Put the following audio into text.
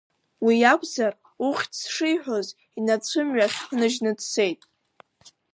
Уи иакәзар, ухьӡ шиҳәоз, инарцәымҩахь ҳныжьны дцеит.